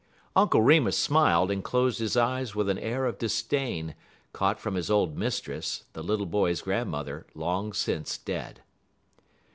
Uncle Remus smiled and closed his eyes with an air of disdain, caught from his old Mistress, the little boy's grandmother, long since dead.